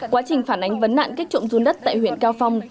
quá trình phản ánh vấn nạn kích trộm run đất tại huyện cao phong